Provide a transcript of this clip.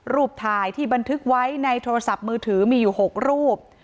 รูปถ่ายที่บันทึกไว้ในโทรศัพท์มือถือมีอยู่๖รูป